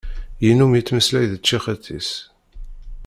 Yennum yettmeslay d tcixet-is.